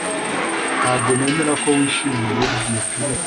ntabwo nemera ko wishimiye iyo firime